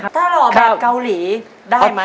ถ้าหล่อแบบเกาหลีได้ไหม